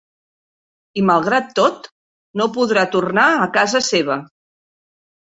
I, malgrat tot, no podrà tornar a casa seva.